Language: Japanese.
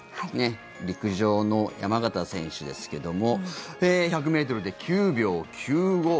陸上の山縣選手ですけども１００ｍで９秒９５。